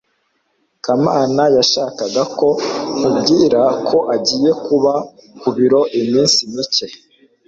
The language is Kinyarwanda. kamana yashakaga ko nkubwira ko agiye kuba ku biro iminsi mike